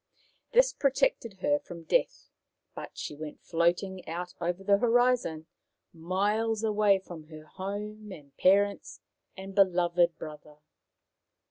This protected her from death, but she went floating out over the horizon, miles away from her home and parents and beloved brother.